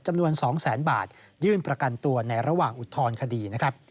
จำนวน๒แสนบาทยื่นประกันตัวในระหว่างอุทธรณคดีนะครับ